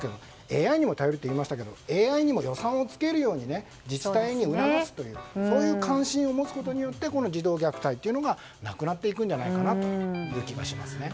ＡＩにも頼るといいましたがＡＩにも予算をつけるように自治体に促すという関心を持つことによってこの児童虐待がなくなっていくんじゃないかなという気がしますね。